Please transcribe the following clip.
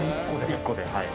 一個ではい。